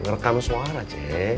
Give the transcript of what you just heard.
ngerekam suara cek